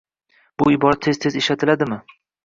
Bu ibora tez-tez ishlatiladimi?